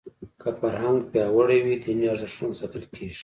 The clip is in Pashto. که فرهنګ پیاوړی وي دیني ارزښتونه ساتل کېږي.